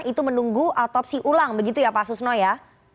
itu menunggu otopsi ulang begitu ya pak susno ya